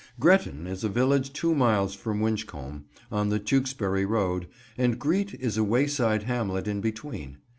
Gretton is a village two miles from Winchcombe, on the Tewkesbury road, and Greet is a wayside hamlet in between.